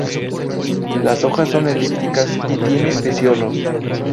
Las hojas son elípticas y tiene peciolos.